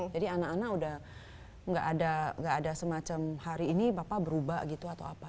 jadi anak anak udah enggak ada semacam hari ini bapak berubah gitu atau apa